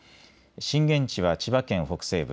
震源地は千葉県北西部。